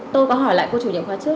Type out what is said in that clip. tôi có hỏi lại cô chủ nhiệm khóa trước